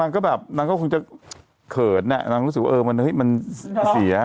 น้องก็แบบน้องก็คงจะเขินนะน้องก็รู้สึกว่ามันเสีย